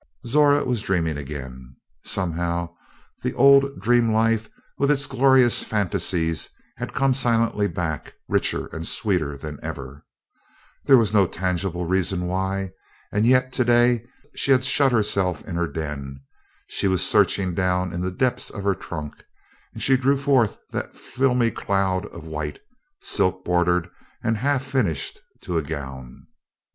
Zora was dreaming again. Somehow, the old dream life, with its glorious phantasies, had come silently back, richer and sweeter than ever. There was no tangible reason why, and yet today she had shut herself in her den. Searching down in the depths of her trunk, she drew forth that filmy cloud of white silk bordered and half finished to a gown.